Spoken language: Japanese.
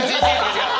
違う。